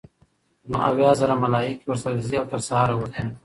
نو اويا زره ملائک ورسره ځي؛ او تر سهاره ورته